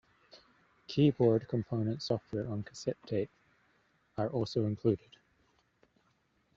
Keyboard Component software on cassette tape are also included.